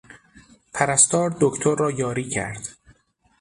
پرستار دکتر را یاری کرد.